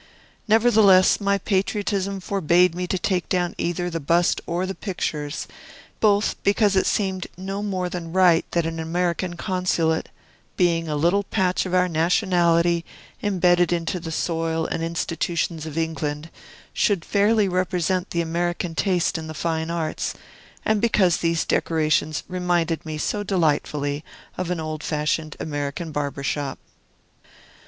Nevertheless, my patriotism forbade me to take down either the bust, or the pictures, both because it seemed no more than right that an American Consulate (being a little patch of our nationality imbedded into the soil and institutions of England) should fairly represent the American taste in the fine arts, and because these decorations reminded me so delightfully of an old fashioned American barber's shop.